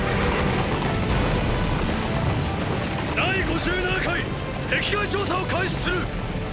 第５７回壁外調査を開始する！